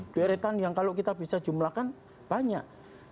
beretan yang kalau kita bisa jumlakan banyak